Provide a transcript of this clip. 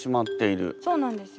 そうなんですよ